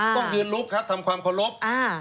ต้องยืนลุกครับทำความเคารพ